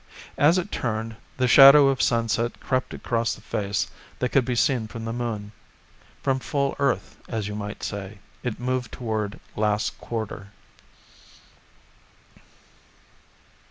As it turned, the shadow of sunset crept across the face that could be seen from the Moon. From full Earth, as you might say, it moved toward last quarter.